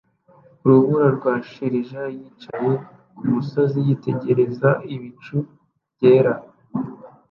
Urubura rwa shelegi yicaye kumusozi yitegereza ibicu byera